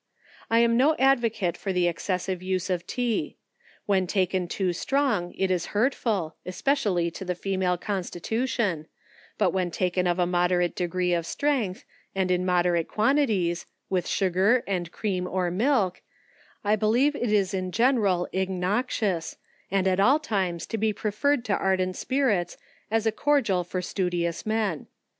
I am no advocate for the excessive use of tea. When taken too strong, it is hurtf il, especially to the female constitution ; but when taken of a mod' rate degree of strength, and in moderate quantities, with sugar and cream, or milk, I believe it is in gen; rid innoxious, and at all times to be preferred to ardent spirits, as a cordial for studious men.